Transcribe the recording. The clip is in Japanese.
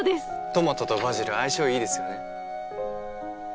トマトとバジル相性いいですよね。